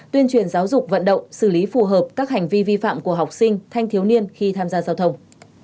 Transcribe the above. tuyên truyền giáo dục vận động xử lý phù hợp các hành vi vi phạm của học sinh thanh thiếu niên khi tham gia giao thông